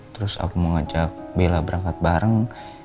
terus aku mau ngajak bella berangkat bareng